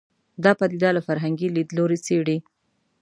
دا پدیده له فرهنګي لید لوري څېړي